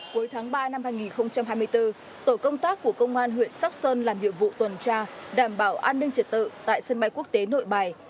cuối tháng ba năm hai nghìn hai mươi bốn tổ công tác của công an huyện sóc sơn làm nhiệm vụ tuần tra đảm bảo an ninh trật tự tại sân bay quốc tế nội bài